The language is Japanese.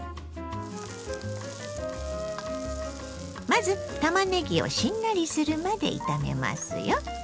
まずたまねぎをしんなりするまで炒めますよ。